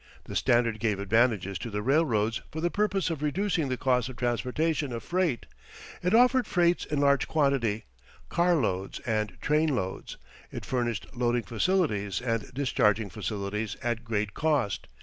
The Standard gave advantages to the railroads for the purpose of reducing the cost of transportation of freight. It offered freights in large quantity, car loads and train loads. It furnished loading facilities and discharging facilities at great cost.